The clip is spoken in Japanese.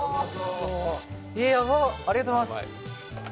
やばっ、ありがとうございます。